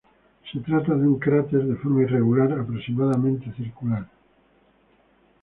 Se trata de un cráter de forma irregular, aproximadamente circular.